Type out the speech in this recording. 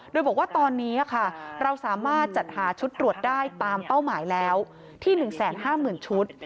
โดยบอกว่าตอนนี้เราสามารถจัดหาชุดตรวจได้ตามเป้าหมายแล้วที่๑๕๐๐๐ชุด